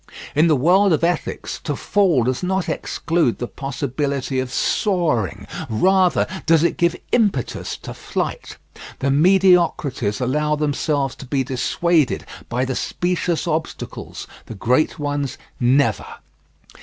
In the world of ethics to fall does not exclude the possibility of soaring, rather does it give impetus to flight. The mediocrities allow themselves to be dissuaded by the specious obstacles the great ones never.